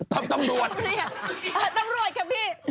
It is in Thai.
ตำรวจครับพี่